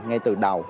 ngay từ đầu